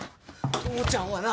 父ちゃんはな